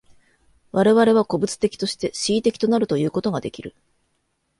我々は個物的として思惟的となるということができる。